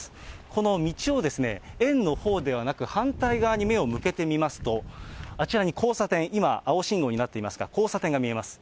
この道を園のほうではなく、反対側に目を向けてみますと、あちらに交差点、今、青信号になっていますが、交差点が見えます。